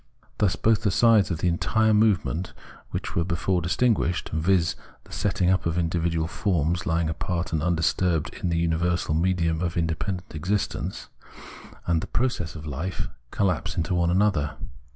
Thus both the sides of the entire movement which were before distinguished, viz., the setting up of indi vidual forms lying apart and imdisturbed in the universal medium of independent existence, and the process of The Truth of Self certainty 171 life — collapse into one another.